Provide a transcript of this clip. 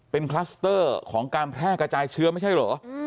เป็นคลัสเตอร์ของการแพร่กระจายเชื้อไม่ใช่เหรอ